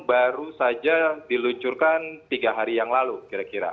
baru saja diluncurkan tiga hari yang lalu kira kira